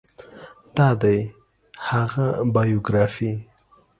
دا دی هغه بایوګرافي